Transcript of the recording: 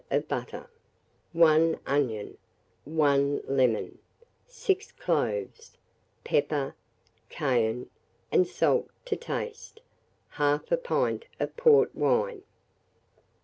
of butter, 1 onion, 1 lemon, 6 cloves; pepper, cayenne, and salt to taste; 1/2 pint of port wine.